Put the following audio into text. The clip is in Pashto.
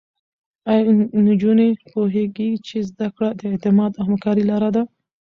ایا نجونې پوهېږي چې زده کړه د اعتماد او همکارۍ لاره ده؟